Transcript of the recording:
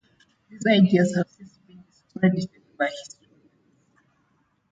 These ideas have since been discredited by historians.